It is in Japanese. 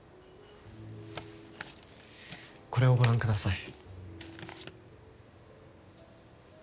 これをご覧ください。